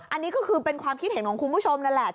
อันนี้ก็คือเป็นความคิดเห็นของคุณผู้ชมนั่นแหละ